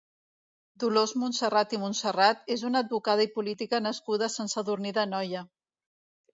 Dolors Montserrat i Montserrat és una advocada i política nascuda a Sant Sadurní d'Anoia.